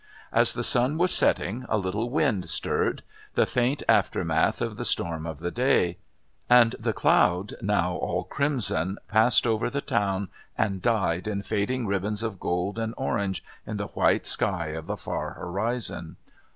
As the sun was setting, a little wind stirred, the faint aftermath of the storm of the day, and the cloud, now all crimson, passed over the town and died in fading ribbons of gold and orange in the white sky of the far horizon.